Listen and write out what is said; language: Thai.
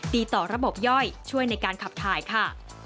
ดีต่อระบบย่อยช่วยในการขับถ่ายค่ะ